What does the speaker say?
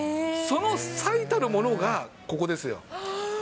その最たるものがここですよ。